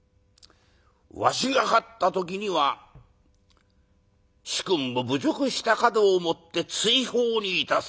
わしが勝った時には主君を侮辱したかどをもって追放にいたす。